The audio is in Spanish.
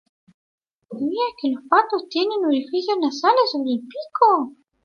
Tiene los orificios nasales sobre el pico.